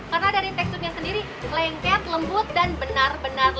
karena dari teksturnya sendiri lengket lembut dan benar benar lezat